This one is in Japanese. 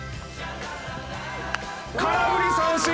空振り三振！